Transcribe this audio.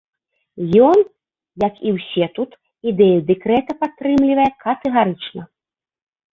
Ён, як і ўсе тут, ідэю дэкрэта падтрымлівае катэгарычна!